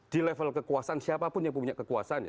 di level kekuasaan siapapun yang punya kekuasaan ya